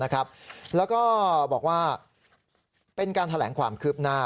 แล้วก็บอกว่าเป็นการแถลงความคืบหน้า